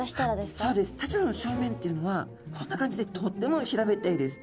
タチウオちゃんの正面っていうのはこんな感じでとっても平べったいです。